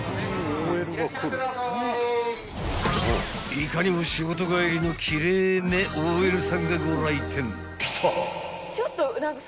［いかにも仕事帰りの奇麗めＯＬさんがご来店］